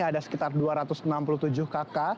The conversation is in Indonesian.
ada sekitar dua ratus enam puluh tujuh kakak